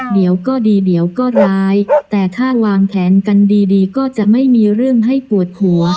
เดี๋ยวก็ดีเดี๋ยวก็ร้ายแต่ถ้าวางแผนกันดีดีก็จะไม่มีเรื่องให้ปวดหัว